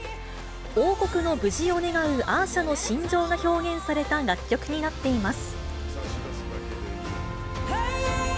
王国の無事を願うアーシャの心情が表現された楽曲になっています。